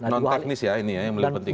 non teknis ya ini ya yang paling penting